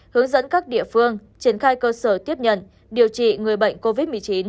hướng dẫn các địa phương triển khai cơ sở tiếp nhận điều trị người bệnh covid một mươi chín